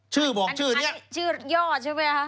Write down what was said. ชื่อบอกชื่อนี้ชื่อย่อใช่ไหมคะ